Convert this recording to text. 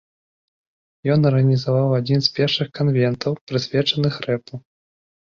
Ён арганізаваў адзін з першых канвентаў, прысвечаных рэпу.